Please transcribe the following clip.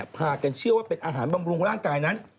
พากันเชื่อว่าเป็นอาหารบำรุงร่างกายนั้น